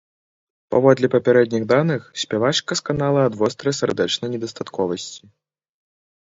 Паводле папярэдніх даных, спявачка сканала ад вострай сардэчнай недастатковасці.